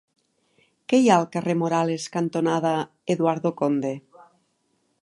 Què hi ha al carrer Morales cantonada Eduardo Conde?